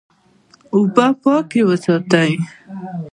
اوبه پاکې وساته.